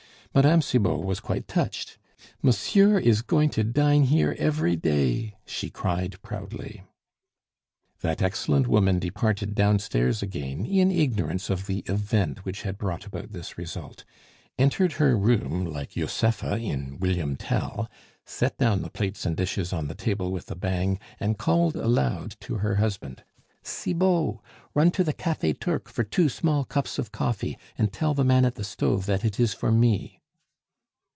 Mme. Cibot was quite touched. "Monsieur is going to dine here every day!" she cried proudly. That excellent woman departed downstairs again in ignorance of the event which had brought about this result, entered her room like Josepha in William Tell, set down the plates and dishes on the table with a bang, and called aloud to her husband: "Cibot! run to the Cafe Turc for two small cups of coffee, and tell the man at the stove that it is for me."